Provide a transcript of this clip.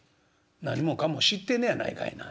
「何もかも知ってんねやないかいな。